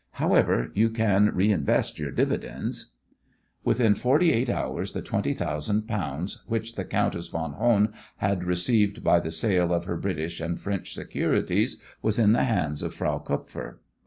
However, you can reinvest your dividends." Within forty eight hours the twenty thousand pounds which the Countess von Hohn had received by the sale of her British and French securities was in the hands of Frau Kupfer.